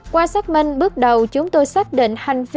qua xác minh bước đầu chúng tôi xác định